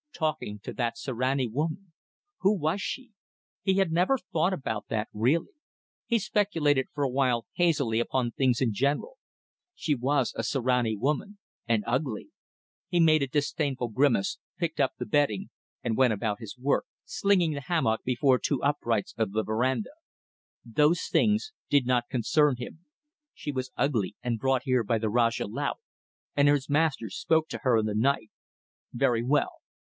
Talking to that Sirani woman! Who was she? He had never thought about that really. He speculated for a while hazily upon things in general. She was a Sirani woman and ugly. He made a disdainful grimace, picked up the bedding, and went about his work, slinging the hammock between two uprights of the verandah. ... Those things did not concern him. She was ugly, and brought here by the Rajah Laut, and his master spoke to her in the night. Very well.